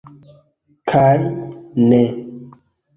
Kaj... ne!